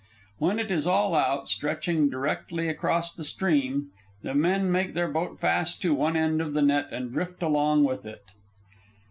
When it is all out, stretching directly across the stream, the men make their boat fast to one end of the net and drift along with it.